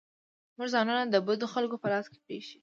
موږ ځانونه د بدو خلکو په لاس کې پرېښي.